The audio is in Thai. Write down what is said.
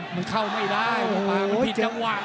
มันเข้าไม่ได้มันผิดจังหวัง